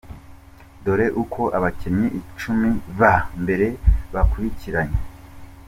Dore uko abakinnyi icumi ba mbere bakurikiranye.